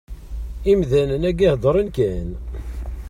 Imdanen-agi heddren kan.